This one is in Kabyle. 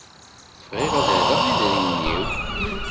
Bɣiɣ ad d-rreɣ idrimen-iw.